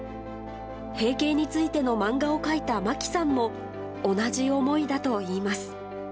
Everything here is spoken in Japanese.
閉経についての漫画を描いたまきさんも同じ思いだといいます。